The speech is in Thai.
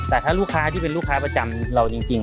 แต่ถ้าลูกค้าที่เป็นลูกค้าประจำเราจริง